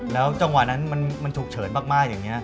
แล้วจังหวะนั้นมันฉุกเฉินมากอย่างนี้